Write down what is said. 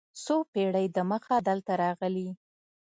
څو پېړۍ دمخه دلته راغلي.